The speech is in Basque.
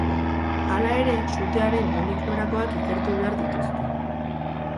Hala ere, sutearen nondik norakoak ikertu behar dituzte.